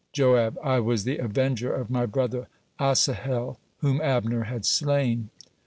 Joab: "I was the avenger of my brother Asahel, whom Abner had slain."